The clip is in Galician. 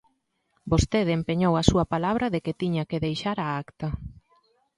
Vostede empeñou a súa palabra de que tiña que deixar a acta.